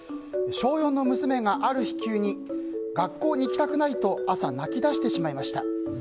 小４の娘がある日、急に学校に行きたくないと朝、泣き出してしまいました。